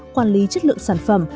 quản lý chất lượng sản phẩm